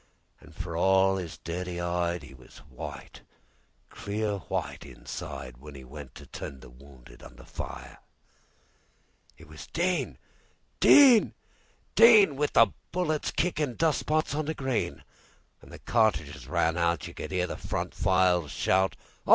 An' for all 'is dirty 'ide,'E was white, clear white, insideWhen 'e went to tend the wounded under fire! It was "Din! Din! Din!"With the bullets kickin' dust spots on the green. When the cartridges ran out, You could 'ear the front files shout:"Hi!